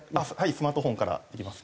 スマートフォンからできます。